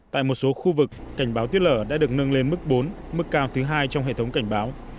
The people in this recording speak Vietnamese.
tại một số khu vực cảnh báo tuyết lở đã được nâng lên mức bốn mức cao thứ hai trong hệ thống cảnh báo